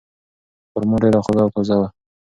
خورما ډیره خوږه او تازه وه.